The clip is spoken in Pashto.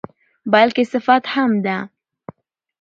بلکې صفت هم ده.